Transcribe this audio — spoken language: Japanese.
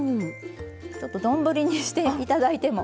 ちょっと丼にして頂いても。